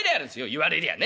言われりゃあね。